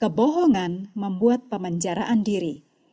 kebohongan membuat pemenjaraan diri